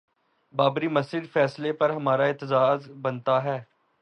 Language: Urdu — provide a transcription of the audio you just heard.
بابری مسجد فیصلے پر ہمارا اعتراض بنتا ہے؟